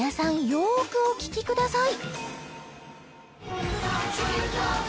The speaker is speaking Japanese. よーくお聴きください